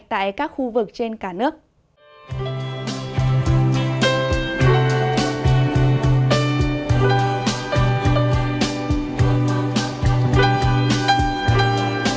tại các khu vực trên cả nước